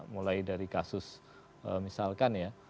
mulai dari kasus misalkan ya